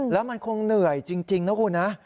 แล้วมันคงเหนื่อยจริงนะคุณนะ